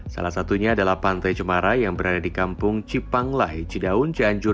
salah satunya adalah pantai cemara yang berada di kampung cipanglai cidaun cianjur